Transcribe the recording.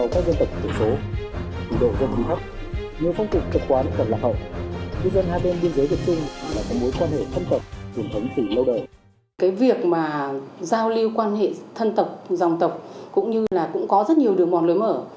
cái việc mà giao lưu quan hệ thân tộc dòng tộc cũng như là cũng có rất nhiều đường mòn lối mở